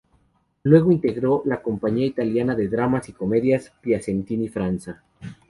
Luego integró la Compañía italiana de dramas y comedias Piacentini-Franza.